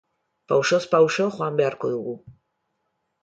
Pausoz pauso joan beharko dugu.